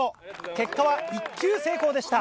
結果は１球成功でした。